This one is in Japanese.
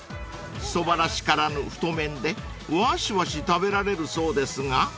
［そばらしからぬ太麺でわしわし食べられるそうですが］